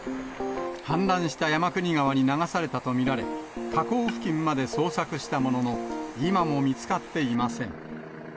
氾濫した山国川に流されたと見られ、河口付近まで捜索したものの、今も見つかっていていません。